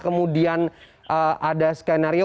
kemudian ada skenario